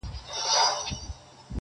د فن د ښکلا پر اړه غږیږي